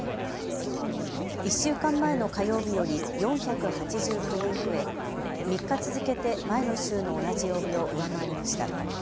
１週間前の火曜日より４８９人増え３日続けて前の週の同じ曜日を上回りました。